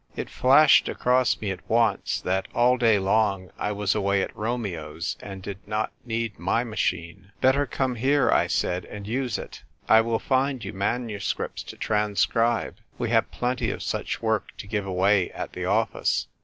It flashed across me at once that all day long I was away at Romeo's, and did not need my machine. " Better come here," I said, " and use it. I will find you manu scripts to transcribe ; we have plenty of such work to give away at the office."